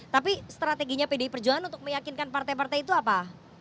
tapi strateginya pdi perjuangan untuk meyakinkan partai partai itu apa